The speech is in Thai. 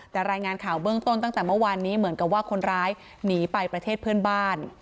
แต่รายงานข่าวเบื้องต้นตั้งแต่เมื่อวานนี้เหมือนกับว่าคนร้ายหนีไปประเทศเพื่อนบ้าน